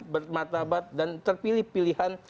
bermartabat dan terpilih pilihan